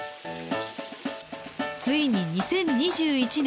ついに２０２１年